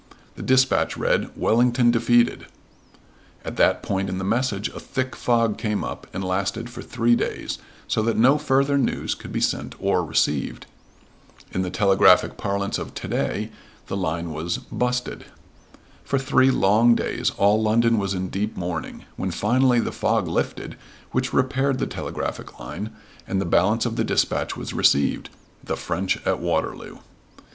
The dispatch read, "Wellington defeated " At that point in the message a thick fog came up and lasted for three days, so that no further news could be sent or received. In the telegraphic parlance of to day the line was "busted." For three long days all London was in deep mourning, when finally the fog lifted, which repaired the telegraphic line, and the balance of the dispatch was received "the French at Waterloo."